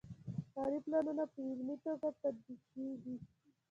ښاري پلانونه په عملي توګه تطبیقیږي.